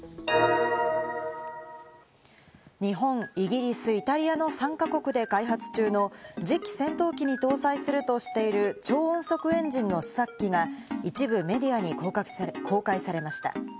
日本、イギリス、イタリアの３か国で開発中の次期戦闘機に搭載するとしている超音速エンジンの試作機が一部メディアに公開されました。